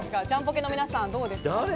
ジャンポケの皆さんどうですか？